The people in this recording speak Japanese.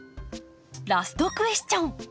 ラストクエスチョン。